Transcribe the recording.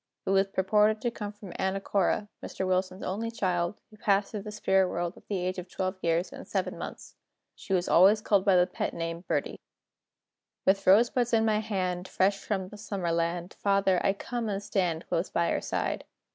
It purported to come from Anna Cora, Mr. Wilson's only child, who passed to the spirit world at the age of 12 years and 7 months. She was always called by the pet name "Birdie."] With rosebuds in my hand, Fresh from the Summer land, Father, I come and stand Close by your side.